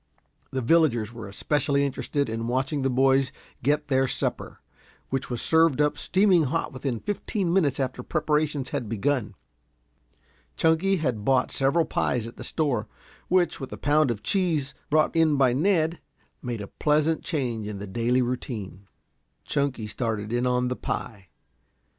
The villagers were especially interested in watching the boys get their supper, which was served up steaming hot within fifteen minutes after preparations had begun. Chunky had bought several pies at the store, which, with a pound of cheese brought in by Ned, made a pleasant change in the daily routine. Chunky started in on the pie.